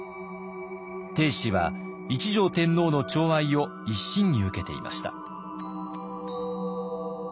定子は一条天皇のちょう愛を一身に受けていました。